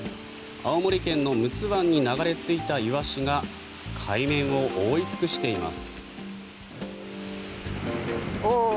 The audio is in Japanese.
青森県の陸奥湾に流れ着いたイワシが海面を覆い尽くしています。